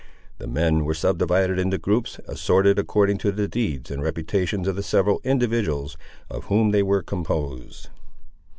The men were subdivided into groups, assorted according to the deeds and reputations of the several individuals of whom they were composed.